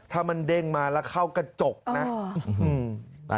ถ้ามันเด้งมาแล้วเข้ากระจกนะ